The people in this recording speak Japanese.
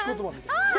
ああ！